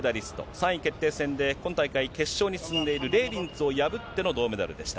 ３位決定戦で今大会、決勝に進んでいるレーリンツを破っての銅メダルでした。